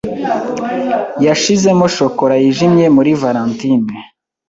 Yashizemo shokora yijimye muri valentine.